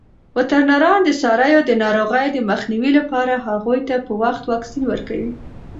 وترنران د څارویو د ناروغیو د مخنیوي لپاره هغوی ته په وخت واکسین ورکوي.